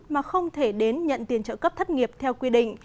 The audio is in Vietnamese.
mà không thể đến nhận tiền trợ cấp thất nghiệp theo quy định